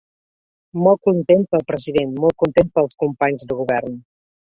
Molt content pel president, molt content pels companys de govern!